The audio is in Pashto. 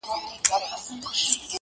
د الماسو یو غمی یې وو ورکړی,